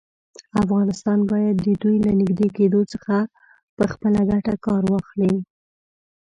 افغانستان باید د دوی له نږدې کېدو څخه په خپله ګټه کار واخلي.